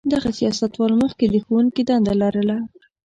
دغه سیاستوال مخکې د ښوونکي دنده لرله.